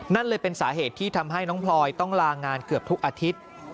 นั่นเลยเป็นสาเหตุที่ทำให้น้องพลอยต้องลางานเกือบทุกอาทิตย์